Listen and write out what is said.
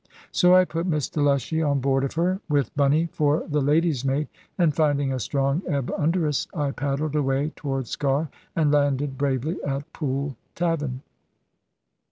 So I put Miss Delushy on board of her, with Bunny for the lady's maid, and finding a strong ebb under us, I paddled away towards Sker and landed bravely at Pool Tavan.